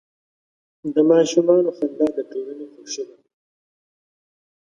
د ماشومانو خندا د ټولنې خوښي ده.